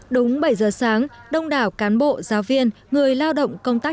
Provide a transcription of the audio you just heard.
đúng bảy giờ sáng đông đảo cán bộ giáo viên người lao động công tác